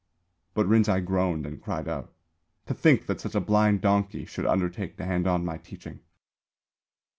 But Rinzai groaned and cried out, "To think that such a blind donkey should undertake to hand on my teaching!"